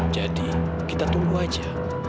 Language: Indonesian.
jadi kita tunggu aja